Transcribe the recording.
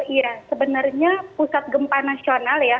iya sebenarnya pusat gempa nasional ya